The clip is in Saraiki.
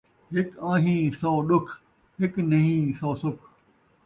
ہک آہیں ، سو ݙکھ ، ہک نہیں سو سکھ